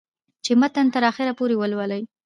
چې متن تر اخره پورې ولولي